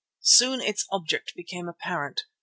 Soon its object became apparent.